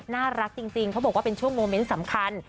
น่ารักจริงเขาบอกว่าเป็นช่วงโมเมนต์สำคัญ